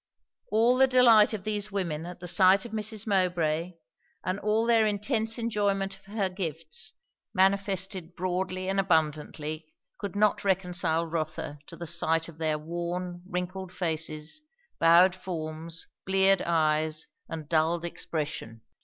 All the delight of these women at the sight of Mrs. Mowbray, and all their intense enjoyment of her gifts, manifested broadly and abundantly, could not reconcile Rotha to the sight of their worn, wrinkled faces, bowed forms, bleared eyes, and dulled expression.